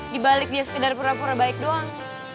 dibalik dia sekedar pura pura baik doang